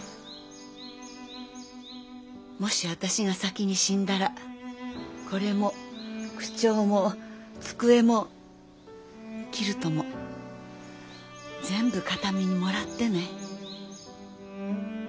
もし私が先に死んだらこれも句帳も机もキルトも全部形見にもらってね。